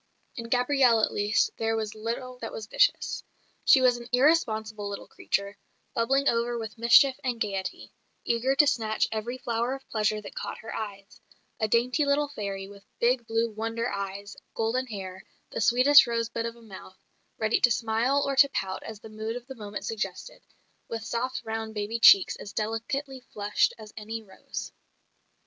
In Gabrielle at least there was little that was vicious. She was an irresponsible little creature, bubbling over with mischief and gaiety, eager to snatch every flower of pleasure that caught her eyes; a dainty little fairy with big blue "wonder" eyes, golden hair, the sweetest rosebud of a mouth, ready to smile or to pout as the mood of the moment suggested, with soft round baby cheeks as delicately flushed as any rose.